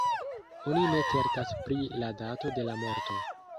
Oni ne certas pri la dato de la morto.